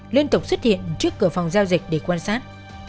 liên tục xuất hiện trước cửa phòng giao dịch để quan sát